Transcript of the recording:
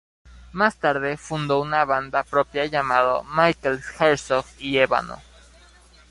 Más tarde fundó una banda propia llamada Mikel Herzog y Ébano.